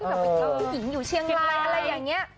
แบบไปเจอผู้หญิงอยู่เชียงรายอะไรอย่างนี้